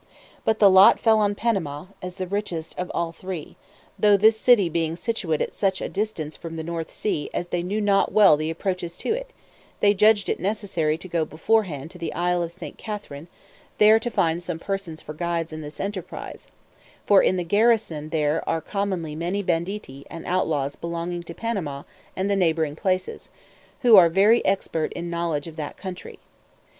But the lot fell on Panama, as the richest of all three; though this city being situate at such a distance from the North Sea as they knew not well the approaches to it, they judged it necessary to go beforehand to the isle of St. Catherine, there to find some persons for guides in this enterprise; for in the garrison there are commonly many banditti and outlaws belonging to Panama and the neighbouring places, who are very expert in the knowledge of that country.